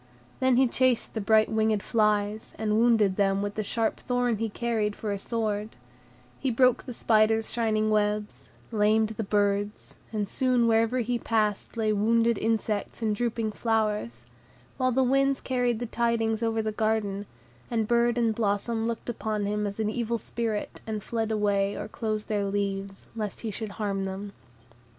Then he chased the bright winged flies, and wounded them with the sharp thorn he carried for a sword; he broke the spider's shining webs, lamed the birds, and soon wherever he passed lay wounded insects and drooping flowers; while the winds carried the tidings over the garden, and bird and blossom looked upon him as an evil spirit, and fled away or closed their leaves, lest he should harm them.